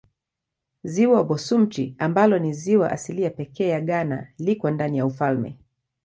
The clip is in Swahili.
Ziwa Bosumtwi ambalo ni ziwa asilia pekee ya Ghana liko ndani ya ufalme.